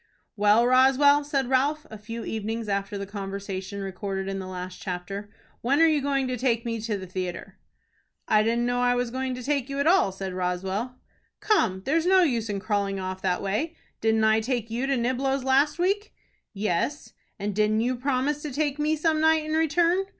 "Well, Roswell," said Ralph, a few evenings after the conversation recorded in the last chapter, "when are you going to take me to the theatre?" "I didn't know I was going to take you at all," said Roswell. "Come, there's no use in crawling off that way. Didn't I take you to Niblo's last week?" "Yes." "And didn't you promise to take me some night in return?"